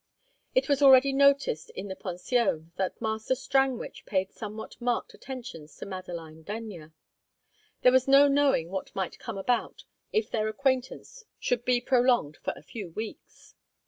It was already noticed in the pension that Master Strangwich paid somewhat marked attentions to Madeline Denyer; there was no knowing what might come about if their acquaintance should be prolonged for a few weeks.